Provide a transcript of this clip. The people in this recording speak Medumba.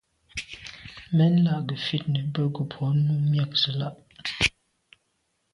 Mɛ́n la' gə̀ fít nə̀ bə́ gə̀brǒ nû myɑ̂k zə̀ lá'.